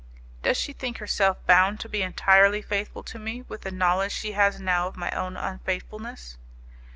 "Does she think herself bound to be entirely faithful to me, with the knowledge she has now of my own unfaithfulness?"